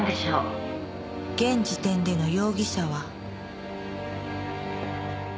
現時点での容疑者は？